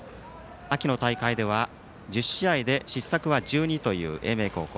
秋の大会では、１０試合で失策は１２という英明高校。